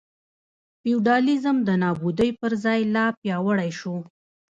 فیوډالېزم د نابودۍ پر ځای لا پیاوړی شو.